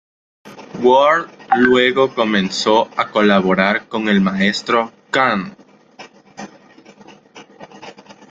Ward luego comenzó a colaborar con el Maestro Khan.